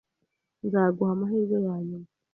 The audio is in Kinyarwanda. Nzaguha amahirwe yanyuma.